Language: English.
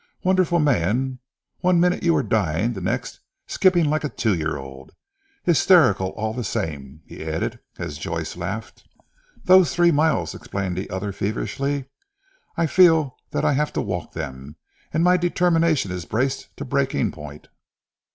"Wonderful man. One minute you are dying, the next skipping like a two year old. Hysterical all the same," he added as Joyce laughed. "Those three miles," explained the other feverishly, "I feel that I have to walk them, and my determination is braced to breaking point."